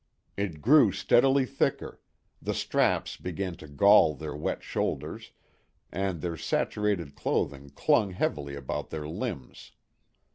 It grew steadily thicker; the straps began to gall their wet shoulders, and their saturated clothing clung heavily about their limbs.